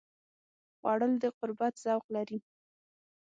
خوړل د قربت ذوق لري